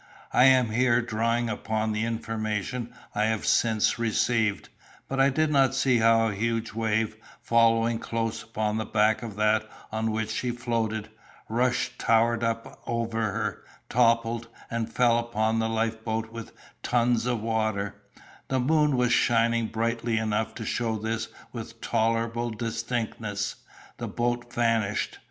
I am here drawing upon the information I have since received; but I did see how a huge wave, following close upon the back of that on which she floated, rushed, towered up over her, toppled, and fell upon the life boat with tons of water: the moon was shining brightly enough to show this with tolerable distinctness. The boat vanished.